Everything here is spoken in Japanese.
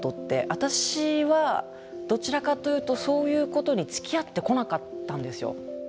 私はどちらかというとそういうことにつきあってこなかったんですよ。